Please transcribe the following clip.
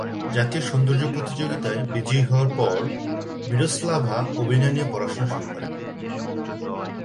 জাতীয় সৌন্দর্য প্রতিযোগিতায় বিজয়ী হওয়ার পর, মিরোস্লাভা অভিনয় নিয়ে পড়াশোনা শুরু করেন।